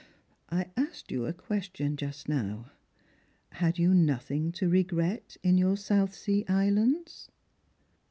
I asked you a question just now. Had you nothing to regret in your South Sea islands?"